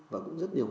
và cũng rất nhiều